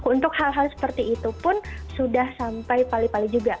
untuk hal hal seperti itu pun sudah sampai pali pali juga